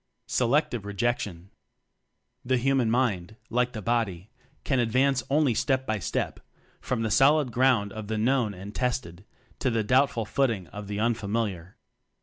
Selective Rejection. The human mind, like the body, can advance only step by step, from the solid ground of the known and tested to the doubtful footing of the unfamiliar.